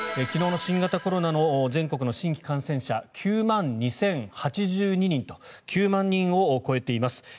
昨日の新型コロナウイルスの全国の新規感染者９万２０８２人と９万人を超えています。